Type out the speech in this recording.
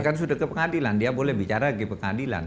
kan sudah ke pengadilan dia boleh bicara ke pengadilan